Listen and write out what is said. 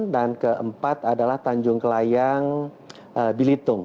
dan keempat adalah tanjung lesung